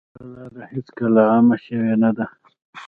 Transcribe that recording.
دا لاره هېڅکله عامه شوې نه ده.